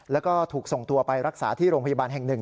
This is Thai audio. แล้วก็ถูกส่งตัวไปรักษาที่โรงพยาบาลแห่งหนึ่ง